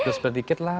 spill sepedikit lah